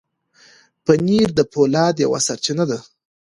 پنېر د فولاد یوه سرچینه ده.